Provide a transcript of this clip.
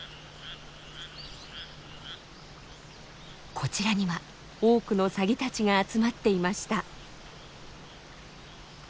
こちらには多くのサギたちが集まっていました。